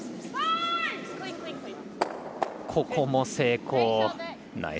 ここも成功。